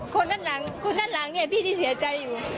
คนด้านหลังว่าพี่ที่เสียใจ